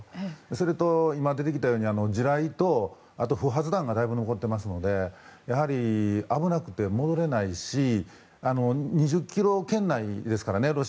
それと、今出てきたように地雷と不発弾がだいぶ残っていますのでやはり危なくて戻れないしロシアから２０ｋｍ圏内ですからね。